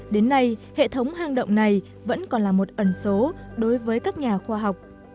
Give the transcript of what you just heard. đến nay hệ thống hang động này vẫn còn là một ẩn số đối với các nhà khoa học